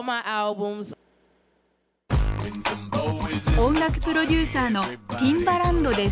音楽プロデューサーのティンバランドです。